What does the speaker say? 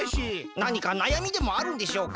なにかなやみでもあるんでしょうか？